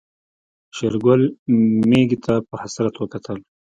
شېرګل ميږې ته په حسرت وکتل.